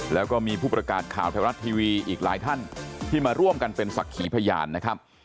แล้วก็มีผู้ประกาศข่าวไทยรัฐทีวีอีกหลายท่านที่มาร่วมกันเป็นศักดิ์ขีพยานนะครับ